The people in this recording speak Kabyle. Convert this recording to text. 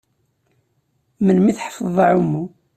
Melmi i tḥefḍeḍ aɛummu?